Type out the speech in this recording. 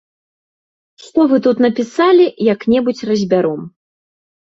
Што вы тут напісалі, як-небудзь разбяром.